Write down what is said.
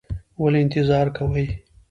ولې انتظار کوې؟